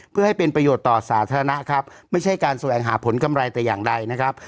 เพื่อให้เป็นประโยชน์ต่อสาธารณะครับไม่ใช่การแสวงหาผลกำไรแต่อย่างใดนะครับ